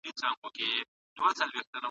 ښايي ځینې خلګ مادي عواملو ته لومړیتوب ورکړي.